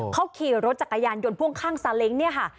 เขาขี่รถจักรยานยนต์พ่วงข้างซาเล้งเนี่ยค่ะ